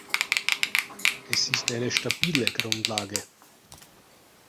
Es ist eine stabile Grundlage.